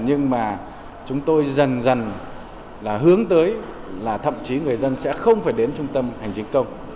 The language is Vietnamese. nhưng mà chúng tôi dần dần là hướng tới là thậm chí người dân sẽ không phải đến trung tâm hành chính công